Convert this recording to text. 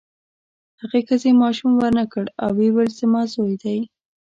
هغې ښځې ماشوم ورنکړ او ویې ویل زما زوی دی.